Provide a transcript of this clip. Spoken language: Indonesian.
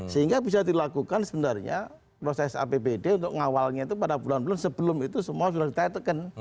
sehingga bisa dilakukan sebenarnya proses apbd untuk ngawalnya itu pada bulan bulan sebelum itu semua sudah diteteken